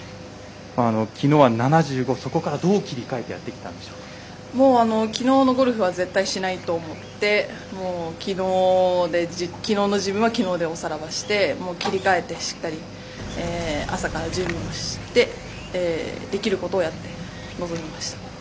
きのうは７５そこからどう切り替えてきのうのゴルフは絶対しないと思ってきのうの自分はきのうでおさらばして、切り替えてしっかり、朝から準備もしてできることをやって臨みました。